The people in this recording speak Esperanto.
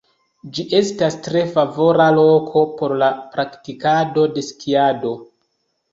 Ĝi estas tre favora loko por la praktikado de skiado.